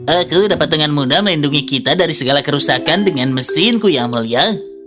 aku dapat dengan mudah melindungi kita dari segala kerusakan dengan mesinku yang mulia